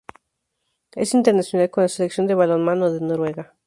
Es internacional con la selección de balonmano de Noruega.